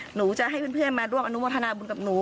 หนูจะให้เพื่อนมาร่วมอนุโมทนาบุญกับหนู